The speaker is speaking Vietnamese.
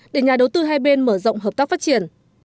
để nhà đầu tư hai bên mở rộng hợp tác phát triển